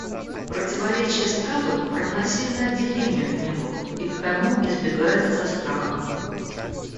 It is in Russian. Противоречие стаду равносильно отделению от него и потому избегается со страхом.